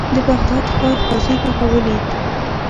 د بغداد ښار قاضي هغه ولید.